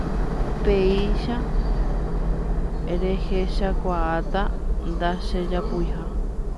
péicha rehechakuaáta ndachejapuiha